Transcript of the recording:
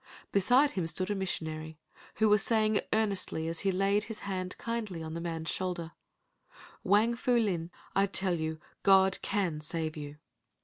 Beside him stood a missionary, who was saying earnestly as he laid his hand kindly on the man's shoulder: "Wang Pu Lin, I tell you God can save you."